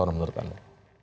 apa menurut anda